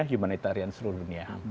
humanitarian seluruh dunia